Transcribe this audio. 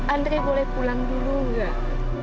andre boleh pulang dulu enggak